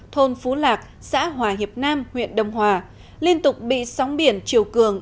thôn phú lạc xã hòa hiệp nam huyện đông hòa liên tục bị sóng biển chiều cường